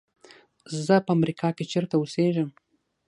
زه په امریکا کې چېرته اوسېږم.